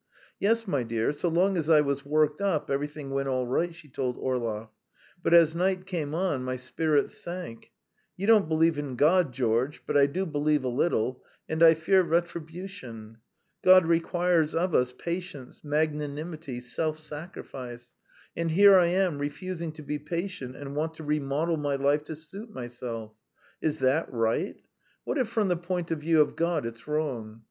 "Yes, my dear, so long as I was worked up, everything went all right," she told Orlov; "but as night came on, my spirits sank. You don't believe in God, George, but I do believe a little, and I fear retribution. God requires of us patience, magnanimity, self sacrifice, and here I am refusing to be patient and want to remodel my life to suit myself. Is that right? What if from the point of view of God it's wrong?